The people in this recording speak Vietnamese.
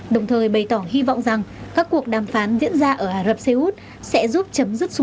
đồng thời bày tỏ hy vọng rằng các cuộc đàm phán diễn ra ở ả rập xê út sẽ giúp chấm dứt xung đột